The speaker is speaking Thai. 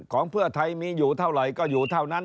ของเพื่อไทยมีอยู่เท่าไหร่ก็อยู่เท่านั้น